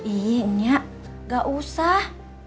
iya nyak gak usah